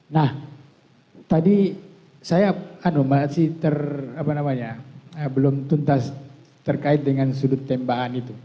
nah tadi saya masih belum tuntas terkait dengan sudut tembakan itu